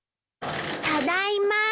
ただいま。